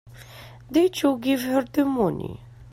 Did you give her the money?